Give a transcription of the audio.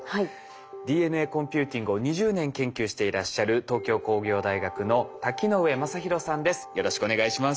ＤＮＡコンピューティングを２０年研究していらっしゃる東京工業大学の瀧ノ上正浩さんです。